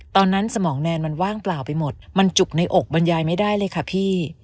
สมองแนนมันว่างเปล่าไปหมดมันจุกในอกบรรยายไม่ได้เลยค่ะพี่